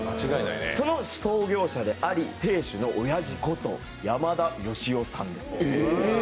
その創業者であり店主のおやじこと、山田芳央さんです。